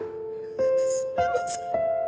すいません。